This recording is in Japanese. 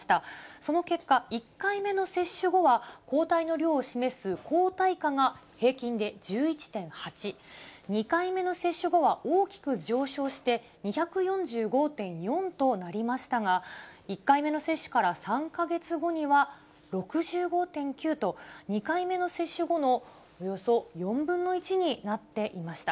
その結果、１回目の接種後は、抗体の量を示す抗体価が平均で１１．８、２回目の接種後は大きく上昇して、２４５．４となりましたが、１回目の接種から３か月後には６５．９と、２回目の接種後のおよそ４分の１になっていました。